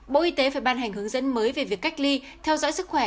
bộ y tế phải ban hành hướng dẫn mới về việc cách ly theo dõi sức khỏe